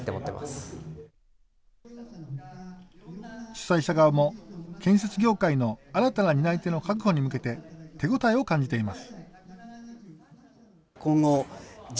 主催者側も、建設業界の新たな担い手の確保に向けて手応えを感じています。